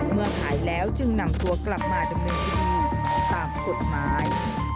เมื่อหายแล้วจึงนำตัวกลับมาดำเนินคดีตามกฎหมาย